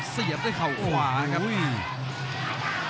เสียบได้เข้าขวาครับ